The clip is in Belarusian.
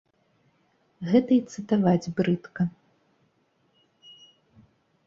Гэта й цытаваць брыдка.